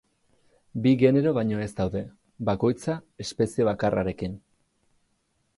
Bi genero baino ez daude, bakoitza espezie bakarrarekin.